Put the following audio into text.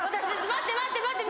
待って待って待って。